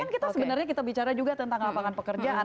kita sebenarnya bicara juga tentang apakan pekerjaan